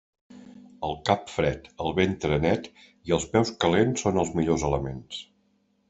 El cap fred, el ventre net i els peus calents són els millors elements.